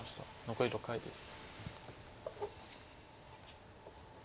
残り６回です。